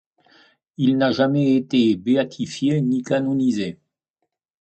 Il n'a jamais été béatifié ni canonisé.